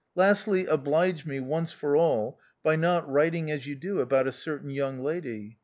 " Lastly, oblige me, once for all, by not writing as you do about a certain young lady.